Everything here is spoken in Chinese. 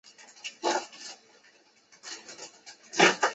其孢子印呈白色。